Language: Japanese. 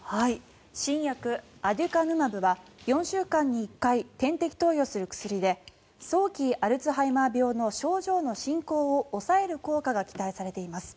新薬アデュカヌマブは４週間に１回点滴投与する薬で早期アルツハイマー病の症状の進行を抑える効果が期待されています。